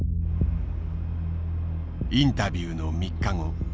インタビューの３日後。